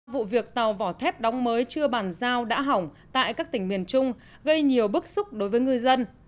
vụ việc tàu vỏ thép đóng mới chưa bàn giao đã hỏng tại các tỉnh miền trung gây nhiều bức xúc đối với ngư dân